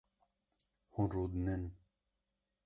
Hûn rûdinin